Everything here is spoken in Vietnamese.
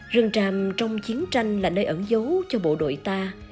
rừng tràm trong chiến tranh là nơi ẩn dấu cho bộ đội ta